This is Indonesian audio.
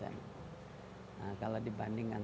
nah kalau dibandingkan